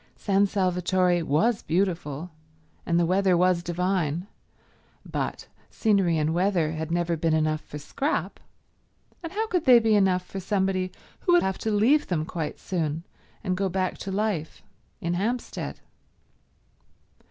San Salvatore was beautiful, and the weather was divine; but scenery and weather had never been enough for Scrap, and how could they be enough for somebody who would have to leave them quite soon and go back to life in Hampstead?